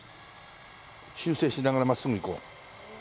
修正しながら真っすぐいこう。